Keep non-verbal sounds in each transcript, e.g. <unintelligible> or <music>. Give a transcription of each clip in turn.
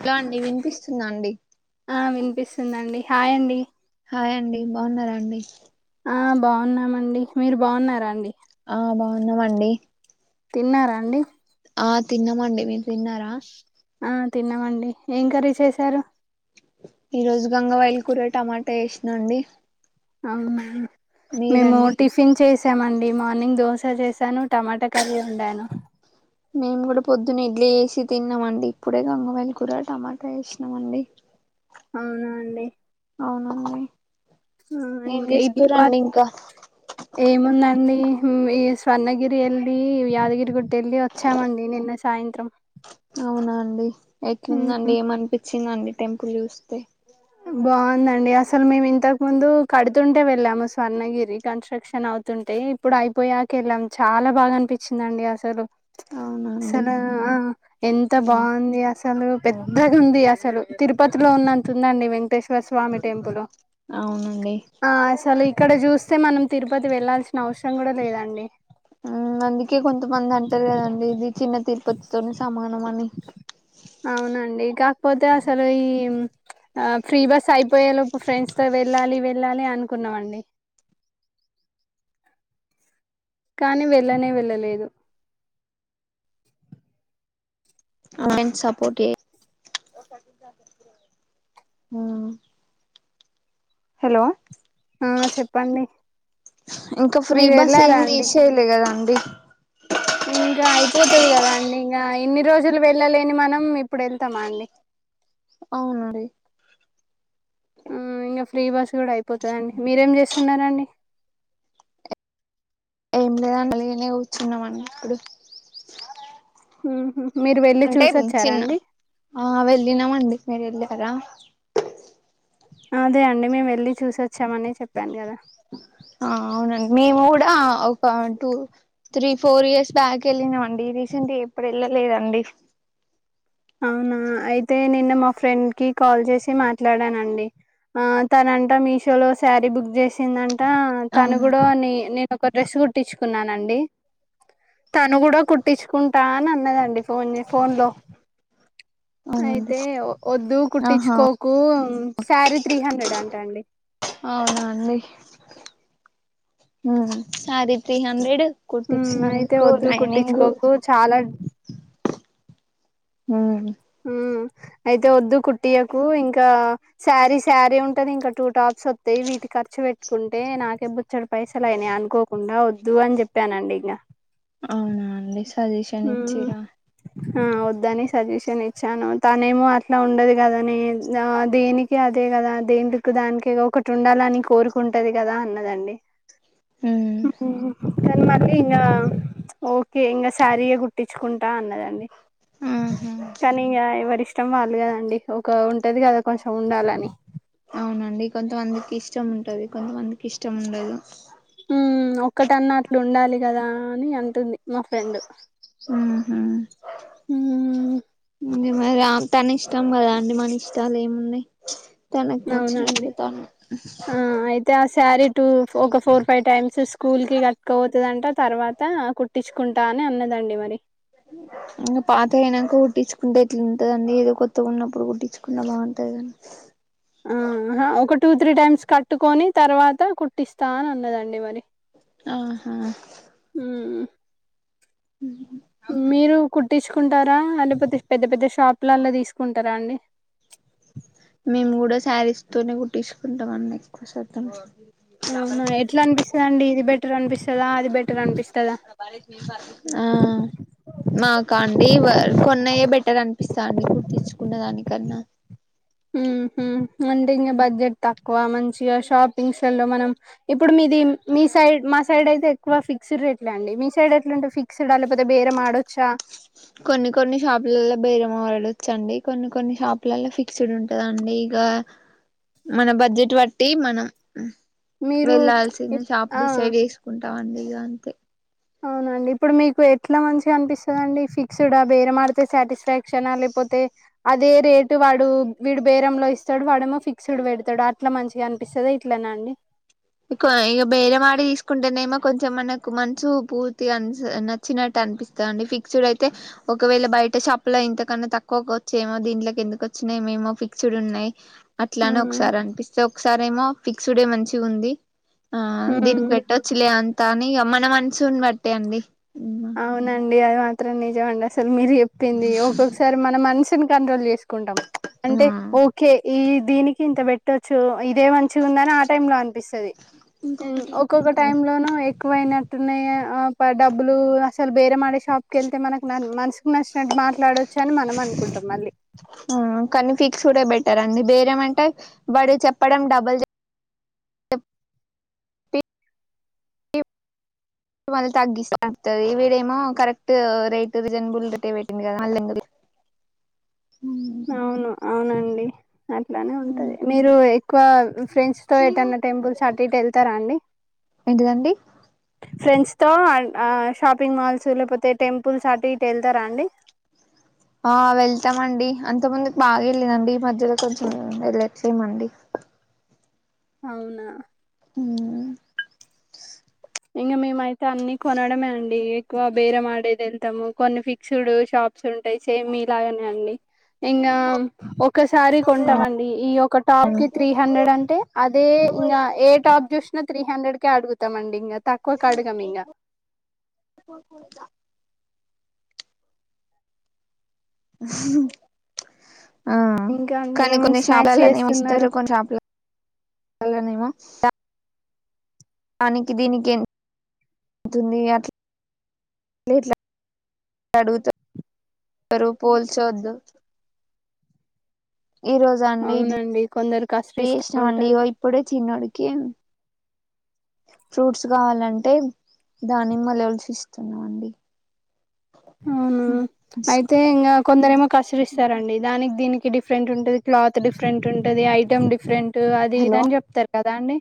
Hello అండి వినిపిస్తుంద అండి హయండి హాయ్ అండి బాగున్నారా అండి అ బాగున్నామండి మీరు బాగున్నారా అండి ఆ బాగున్నామండి తిన్నారాండి ఆ తిన్నామండి మేము తిన్నారా ఆ తిన్నామండి ఏం కర్రీ చేశారు ఈ రోజు గంగా వయలు కూర టమాటా వేసినామండి అవునా మేము టిఫిన్ చేసి చ్చేమండి మార్నింగ్ దోస చేసాను టొమాట కర్రి వండాను మేము కూడా పొద్దున్నే ఇడ్లీ చేసి తిన్నామండి ఇప్పుడే గంగవయలు కూర టమాటా వేసినమండి అవున అండి అవునండి ఏం ఇంకా ఇది చేస్తురండి ఇంకా ఏముందండి ఈ స్వర్ణగిరి ఎల్లి యాదగిరి గుట్ట వేళ్లి వచ్చామండి నిన్న సా సాయంత్రం అవునా అండి ఉమ్, ఎట్లుండండి ఏమనిపింత్ వచ్చిందండి టెంపుల్ చూస్తే బాగుందండి అసలు మేము ఇంతకు ముందు కడుతుంటే వెళ్ళాము స్వర్ణగిరి కన్స్ట్రక్షన్ అవుతుంటే ఇప్పుడు అయిపోయాక వెళ్ళాము చాలా బాగా అనిపించ్చిదండి అసలు అవునండి అసలు ఎంత బాగుంది అసలు పెద్దగా ఉంది అసలు తిరుపతిలో ఉన్నంత ఉందండి వెంకటేశ్వర స్వామి టెంపుల్ అవునండి ఇక్కడ చూస్తే మనం తిరుపతి వెళ్లాల్సిన అవసరం కూడా లేదండి అందుకే కొంతమంది అంటారు కదండి ఇది చిన్న తిరుపతితోని సమానం అని అవునండి. కాకపోతే అసలు ఈ ఆ ఫ్రీ బస్ అయిపోయాలో ఫ్రెండ్స్ తో వెళ్ళాలి వెళ్ళాలి అనుకున్నామండి కానీ వెళ్ళనే వెళ్ళలేదు సపోట్ హలో ఆ! చెప్పండి. ఇంకా ఫ్రీ మీరు బస్ వెళ్ళారా ఏమి అండి తీసేయలే కదండి పోతుంది కదా అండి ఇంకా ఇన్ని రోజులు వెళ్ళలేని మనం ఇప్పుడు వెళ్తామా అండి అవునండి ఆ ఇంకా ఫ్రీ బస్ కూడా అయిపోతుందిండి మీరేం చేస్తున్నారాండి ఏం లేదండి కలిగనే కూర్చున్నాం అండి ఇప్పుడే ఆహ అంటే చిన్న ఆ వెళ్ళినామండి మీరు వెళ్ళ కరా అదే అండి మేము వెళ్ళి చూసోచ్చామని చెప్పాను కదా ఆ అవునండి మేము కూడా ఒక two three four years back వెళ్ళినాం అండి రీసెంట్గా ఎప్పుడు వెళ్ళలేదండి అవునా అయితే నిన్న మా ఫ్రెండ్ కి కాల్ చేసి మాట్లాడానండి ఆ తనంట మీషోలో శారీ బుక్ చేసిందం టా తను అవును కూడా ని నేనొక డ్రెస్ కుట్టించు కున్నానండి తను కూడ కుట్టించుకుంటా అని అన్నదండి ఫోన్ ఫోన్ లో అవునండి అయితే ఒద్దు ఆహా కుట్టిచ్చుకోకు శారీ త్రీ హండ్రెడ్ అంటా అండి అవునా అండి ఆమ్ సారీ త్రీ హండ్రెడ్ అయితే కుట్టించినందుకు వద్దు కుట్టించుకోకు చాలా హ ఉ అయితే వద్దు కుట్టియ్యకు ఇంకా శారీ శారీ ఉంటది ఇంకా టూ టాప్స్ వస్తాయి వీటికి ఖర్చు పెట్టుకుంటే నాకే బొచ్చడు పైసలయినయి అనుకోకుండా వద్దు అని చెప్పానండి ఇంకా అవునా అండి సజెషన్ ఇచ్చిరా ఆ వద్దని సజెషన్ ఇచ్చాను తనేమో అట్లా ఉండదు కదనే ఆ దేనికి అదే కదా దేని లుక్ దానికే కదా ఒకటి ఉండాలని కోరికుంటది కదా అన్నదండి ఉమ్ కానీ మళ్ళీ ఇంగా ఓకే ఇంగ శారీయే గుట్టించుకుంటా అన్నదండి ఆహా కనీంగా ఎవరిష్టం ఇష్టం వాళ్ళు కదండి ఒక ఉంటది కదా కొంచెం ఉండాలని అవునండి కొంతమందికి ఇష్టం ఉంటది కొంతమందికి ఇష్టం ఉండదు ఉ ఒక్కటన్నా అట్లన్డాలి కదా అని అంటుంది మా ఫ్రెండ్ ఆహా మ్మ్ ఇంగ మరి తన ఇష్టం కదా అండి మన ఇష్టాలు ఏమున్నాయి తనకి అవునండి నచ్చినట్టు తను ఆ అయితే ఆ శారీ టు ఒక ఫోర్ ఫైవ్ టైమ్స్ స స్కూల్ కి కట్టుకపో తుదంట తర్వాత కుట్టించుకుంటా అని అన్నదండి మరి ఇంకా పాతగ అయినంక కుట్టించుకుంటే ఎట్ల ఉంటదండి ఏదో కొత్తగా ఉన్నప్పుడు కుట్టించుకున్న బాగుంటది కని ఆ ఒక టూ త్రీ టైమ్స్ కట్టుకొని తర్వాత కుట్టిస్తా అని అన్నదండి మరి ఆహా ఉ కుట్టించుకుంటారా లేకపోతే పెద్ద పెద్ద షాపులల్ల తీసుకుంటారా అండి మేము కూడా శారీస్ తోనే కుట్టిచ్చుకుంటాం అండి ఎక్కువ శాతం అవునా ఎట్లా అనిపిస్తుంది అండి ఇది బెటర్ అనిపిస్త స్తదా ఆ మాకా అండి కొన్నయే బెటర్ అనిపిస్తదండి కుట్టిచ్చుకున్న దానికన్నా హ హ అంటే ఇంకా బడ్జెట్ తక్కువ మంచి షాపింగ్ల లో మనం ఇప్పుడు మీది మీ సైడ్ మా సైడ్ అయితే ఎక్కువ ఫిక్స్డ్ రేట్లే అండి మీ సైడ్ ఎట్లాంటే ఫిక్స్డ్ లేకపోతే బేరే మాడొచ్చా కొన్ని కొన్ని షాపులలో బేరమడచ్చండి కొన్ని కొన్ని షాపులలో ఫిక్స్డ్ ఉంటదండి ఇక మన బడ్జెట్ బట్టి మనం మీరు వెళ్ళల్సింది ఇప్ షాప్ ఆ డిసైడ్ వేసుకుంటే అం ఇగా అంత అవునండి ఇప్పుడు మీకు ఎట్లా మంచిగా అనిపిస్తుందిండి ఫిక్స్డ్ బేరంమాడితే సాటిస్ఫాక్ష లేకపోతే అదే రేటు వాడు వీడు బేరంలో ఇస్తాడు వాడేమో ఫిక్స్డ్ పెడతాడు అట్లా మంచిగా అనిపిస్తుంది ఇట్లనా అండి ఇ ఇక బేరవాడి తీసుకుంటేనేమో కొంచెం మనకు మనసు పూర్తిగా అ నచ్చినట్టు అనిపిస్తంది అండి ఫిక్స్డ్ అయితే ఒకవేళ బయట షప్ లో ఇంతకన్నా తక్కువ వచ్చే ఏమో దీంట్లోకి ఎందుకు వచ్చిన ఏమేమో ఫిక్స్డ్ ఉన్నాయి అట్లానే ఉమ్ ఒకసారి అనిపిస్తే ఒకసారిేమోి ఎక్స్ డే మంచి ఉంది ఆ దీనికి ఉమ్ పెట్టొచ్చులే అ కానీ మన మనసుని బట్టే అండి అవునండి అ త్రం నిజం అండి అసలు మీరు చెప్పింది ఒక్కొక్కసారి మన మంచి కంట్రోల్ కుంటాం ఆ అంటే ఓకే ఈ దీనికి ఇంత పెట్టొచ్చు ఇదే మంచిగా ఉందని ఆ టైం లో అనిపిస్తది ఇంకొకటి ఒక్కొక్క టైమ్ లోనూ ఎక్కువయినట్టున్నాయ ఆ డబ్బులు అసలు బేర మడే షాప్ కళ్ళతే మనకు మనసు నాష్ట మాట్లాడ అని మనం అనుకుంటాం మళ్ళీ చూడే బెటర్ అండి వేరేమంటే వాడు చెప్పడం డబుల్ మళ్ళీ తగ్గిస్తడుతుంది వీడేమో కరెక్ట్ రేటు రీజనబుల్ ఉంటటే పెట్ంది కదా మళ్ళీందు అవును అవునన్ <unintelligible> అట్లానే ఉంటది మీరు ఎక్కువ ఫ్రెండ్స్ తో ఎటన్న టెంపుల్స్ అటు ఇటు వెళ్తారా అండి ఏంటిదండి ఫ్రెండ్స్ తో ఆ షాపింగ్ మాల్స్ లేకపోతే టెంపుల్స్ అటు ఇటు వెళ్తారా అండి ఆ వెళ్తామండి అంత ముందు బాగా వెళ్ళదండి ఈ మధ్యలో కొంచెం వెళ్ళట్లేయమండి అవునా ఉమ్ ఇంగ మేంఅయితే దన్ని కొనడమే అండి ఎక్కువ బేరం మాడేది వెళ్తాము కొన్ని ఫిక్స్డ్ షాప్స్ ఉంటాయి సేమ్ మీలాగనే అండి ఇంకా ఒకసారి కొంటాం అండి ఈ ఒక టాప్ కి త్రీ హండ్రెడ్ అంటే అదే ఇంకా ఏ టాప్ చూస్త ఇంగ త్రీ హండ్రెడ్ కే అడుగుతామండి ఇంగ తక్కువకు అడగం ఇంగ ఆ ఇంకా అండి కానీ ఏం కొన్ని స్నాక్స్ షాపులలనేమి ఇస్తరు చేస్తున్నారు కొన్ని షాపుల మళ్ళానేమో దానికి దీనికి ఎంతుంది అట్ల అడుగుతారు పోల్చోద్దు ఈ రోజ అండి అవునండి కొందరు ఇడ్లీ కష్టరిస్తా ఇష్టం అండి ఉంటారు ఇగో ఇప్పుడే చిన్నోడు కి కే ఫ్రూట్స్ కావాలంటే దానిమ్మలు వలిచి ఇస్తున్నాండి అవునా అయితే ఇంగ కొందరేమో కసరిస్తారండి దానికి దీనికి డిఫరెంట్ ఉంటంది క్లాత్ డిఫరెంట్ ఉంటది ఐటమ్ డిఫరెంట్ అటు అది హలో ఇదని చెప్తారు కదా అండి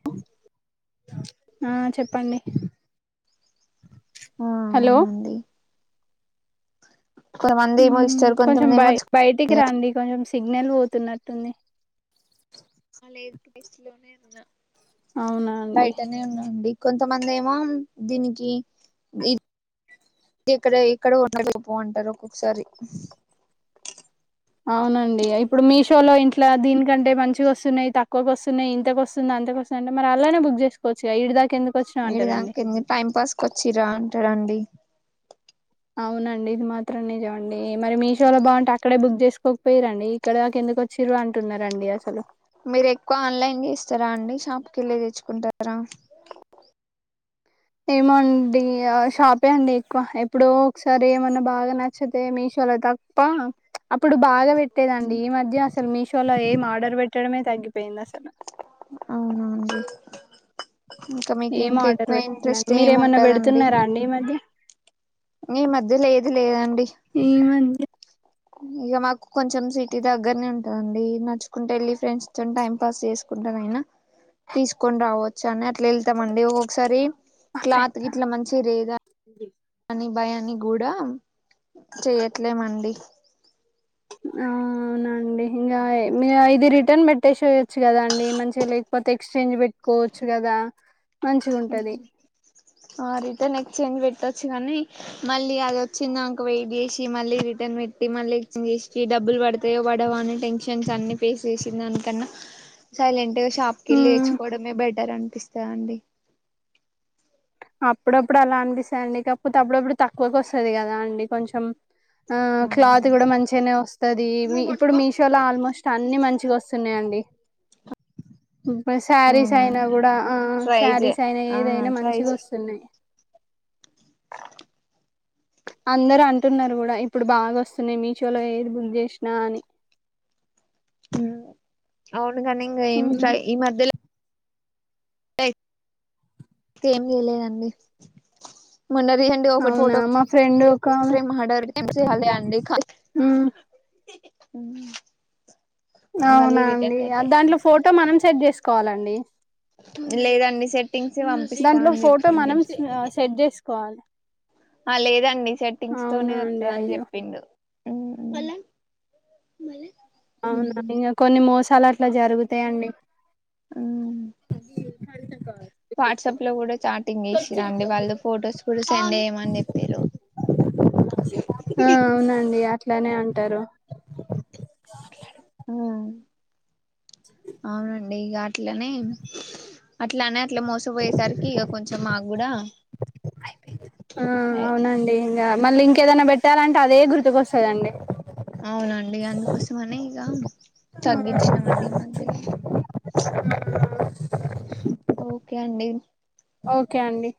ఆ చెప్పండి ఆ హలో అవునండి కొంతమంది ఏమో ఇస్తారు కొంచెం కొంతమంది ఏమో బయ బయటికి రండి కొంచెం సిగ్నల్ పోతున్నట్టుంది లేదు ప్లేస్ లోనే ఉన్నా అవునా అండి బయటనే ఉన్నాండి కొంతమంది ఏమో దీనికి ఆ ఎక్కడ ఎక్కడ ఉండకు పో అంటారు ఒక్కొక్కసారి ఇట్లా దీనికంటే మంచిగా వస్తున్నాయి తక్కువగా వస్తున్నాయి ఇంతకు వస్తుంది అంతకు వస్తుంది అంటే మరి అలానే బుక్ చేసుకోవచ్చుగా ఇడి దాకా ఎందుకు వచ్చినావు అంటారండి ఈడదాంక ఎంది టైం పాస్ కొచ్చిర్రా అంటాడండి అవునండి ఇది మాత్రం నిజం అం డి మరి మీషోలో బాగుంటే అక్కడే బుక్ చేసు పోకపోయిరండి ఇక్కడదాక ఎందుకు వచ్చిర్రు అంటున్నారండి అసలు మీరు ఎక్కువ ఆన్లైన్ చేస్తారా అండి షాప్ కెళ్ళి తెచ్చుకుంటారా ఏమో అండి షాపే అండి ఎక్కువ ఎప్పుడో ఒకసారి ఏమన్నా బాగా నచ్చితే మీషోలో తప్ప. ప్చ్ అప్పుడు బాగా పెట్టేదండి ఈ మధ్య అసలు మీష్ షోలో ఏం ఆర్డర్ పెట్టడమే తగ్గిపోయింది అసలు అవును అవును ఏం ఆర్డర్ పెట్లే మీరు ఏమి ఏమన్నా ఉంటదండి పెడుతున్నారా అండి ఈ మధ్య ఈ మధ్య లేదు లేదండి ఈ మధ్య ఇగ మాకు కొంచెం సిటీ దగ్గరనే ఉంటదండి. నడుచుకుంటు వెళ్ళి ఫ్రెండ్స్ తోని టైం పాస్ చేసుకుంటనైనా తీసుకొని రావచ్చు అని అట్ ట్లే వెళ్తమండి ఒకొకసారి మా క్లాత్ ఫ్రెండ్ గిట్లా మంచిగరేదా కాని భయాన్ని గూడా చేయట్లేమండి అవునాండి ఇంగా మీ ఇది రిటర్న్ పెట్టేసేయొచ్చు కదా అండి మంచిగా లేకపోతే ఎక్స్ఛేంజ్ పెట్టుకోవచ్చు కదా. మంచిగా ఉంటది ఆ రిటన్ ఎక్స్ట్ చేంజ్ పెట్ ట్టొచ్చునని కానీ మళ్ళీ అది వచ్చిందిక వెయిట్ చేసి మళ్ళీ రిటర్న్ పెట్టి మళ్ళీ ఎక్చేంజ్ చేసి డబ్బులు పడతాయో పడవో అని టెన్షన్ అన్ని ఫేస్ చేసిందికన్నా సైలెంట్ గా షాప్ కెళ్ళి తెచ్చుకోవడమే బెటర్ అనిపిస్తదండి అప్పుడప్పుడు అలా అనిపిస్తాయండి కాకపోతే అప్పుడప్పుడు తక్కువకు వస్తది కదా అండి కొంచెం ఆ క్లాత్ అవునండి కూడా మంచిగనే వస్తది మీ నువ్వు ఇప్పుడు పట్టుకో మీషోలో ఆల్మోస్ట్ అన్ని మంచిగొస్తున్నాయండి శారీస్ అవునా అయినా కూడా ఆ ట్రై చే శారీస్ అయినా ఆ ఏదైనా ట్రై మంచిగొస్ అందరూ అంటున్నారు కూడ ఇప్పుడు బాగొస్తున్నాయి మీషో లో ఏది బుక్ చేసినా అని మ్మ్ అవు కాని ఇంగ ఏం హ్మ్. ట్రై ఈ మధ్యలో ఏం చేయలేదండి మొన్న రీసెంట్ గా ఒకటి అవునా ఫోటో మా ఫ్రెండ్ ఒక ఆమె ఫ్రేమ్ ఆర్డర్ చే అండి కా మ్మ్ అవునా అండి ఆ దాంట్లో ఫోటో మనం సెట్ చేసు కోలండి లేదండి సెట్ దాంట్లో ఫోటో మనం స సెట్ చేసుకోవాలి ఆ లేదండి సెట్టింగ్స్ తోనే అవునా అండి వత్తదని అయ్యో చెప్పిండు మ్మ్ అవునా ఇంగ కొన్ని మోస్ సాలట్ల జరుగుతాయండి మ్మ్ వాట్సాప్ లో కూడా చాటింగ్ చేసి రండి వాళ్ళు ఫొటోస్ కూడా సెండ్ చేయమని చెప్పిర్రు టరు అవునండి ఇగ అట్లనే అట్లానే అట్ల మోసపోయేసరికి ఇగ కొంచెం మాక్కూడ ఆ అవునండి గ మళ్ళీ ఇంకేదైనా పెట్టాలంటే అదే గుర్తుకొస్తదండి అవునండి అందుకోసమని ఇగ తగ్గిచ్చినామండి ఈ మధ్యలో ఓకే అండి ఓకే అండి